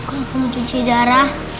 enggak mau cuci darah